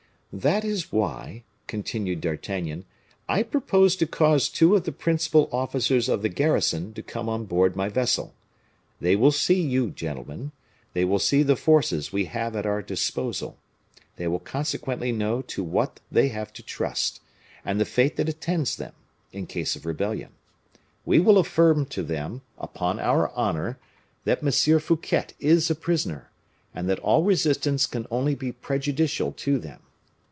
"That is why," continued D'Artagnan, "I propose to cause two of the principal officers of the garrison to come on board my vessel. They will see you, gentlemen; they will see the forces we have at our disposal; they will consequently know to what they have to trust, and the fate that attends them, in case of rebellion. We will affirm to them, upon our honor, that M. Fouquet is a prisoner, and that all resistance can only be prejudicial to them.